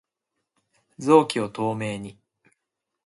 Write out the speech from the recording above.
臓器を透明に